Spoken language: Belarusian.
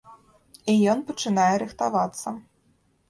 І ён пачынае рыхтавацца.